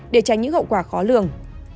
để tránh những hậu quả khó lường